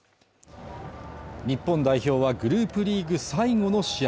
日本代表はグループリーグ最後の試合